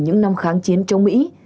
từ những năm kháng chiến trong mỹ